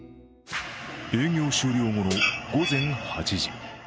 営業終了後の午前８時。